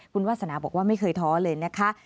คุณวาสนาบอกว่าไม่เคยท้อเลยนะคะ